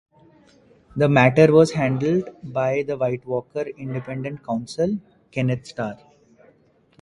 The matter was handled by the Whitewater Independent Counsel, Kenneth Starr.